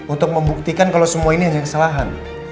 untuk membuktikan kalau semua ini hanya kesalahan